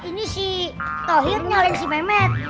ini si tohir nyalin si memang